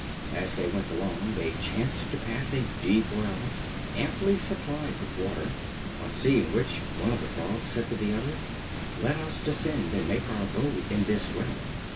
As they went along they chanced to pass a deep well, amply supplied with water, on seeing which, one of the Frogs said to the other: "Let us descend and make our abode in this well."